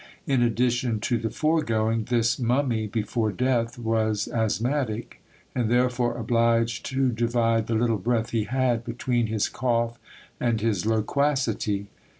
In addition to the foregoing, this mummy before death was asth matic, and therefore obliged to divide the little breath he had between his cough and his loquacity.